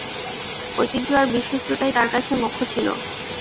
ঐতিহ্য আর বিশ্বস্ততাই তার কাছে মুখ্য ছিল।